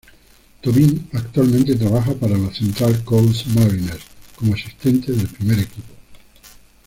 Tobin actualmente trabaja para los Central Coast Mariners como asistente del primer equipo.